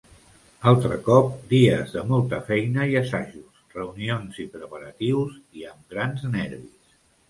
Altre cop, dies de molta feina i assajos, reunions i preparatius i amb grans nervis.